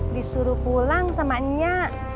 disuruh pulang sama nya